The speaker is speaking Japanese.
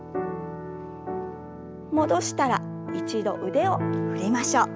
戻したら一度腕を振りましょう。